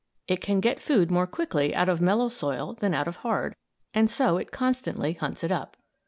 It can get food more quickly out of mellow soil than out of hard, and so it constantly hunts it up.